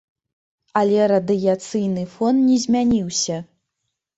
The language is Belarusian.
Але радыяцыйны фон не змяніўся.